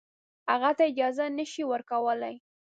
هغه ته اجازه نه شي ورکولای.